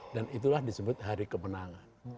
dan itulah disebut hari kemenangan